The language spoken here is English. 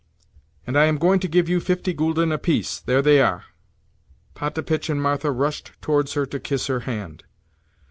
"And I am going to give you fifty gülden apiece. There they are." Potapitch and Martha rushed towards her to kiss her hand.